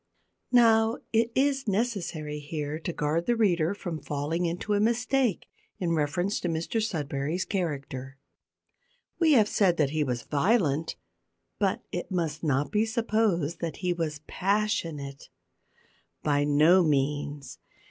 Now, it is necessary here to guard the reader from falling into a mistake in reference to Mr Sudberry's character. We have said that he was violent, but it must not be supposed that he was passionate. By no means.